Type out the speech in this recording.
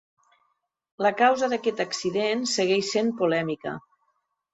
La causa d"aquest accident segueix sent polèmica.